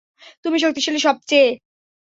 তুমিই শক্তিশালী সবচেয়ে।